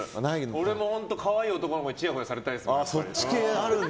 俺も本当に可愛い男の子にちやほやされたいです。